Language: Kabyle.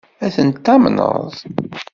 Ad ten-tamneḍ?